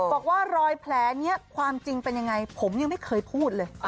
บอกว่ารอยแผลนี้ความจริงเป็นยังไงผมยังไม่เคยพูดเลย